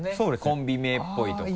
コンビ名っぽいとか。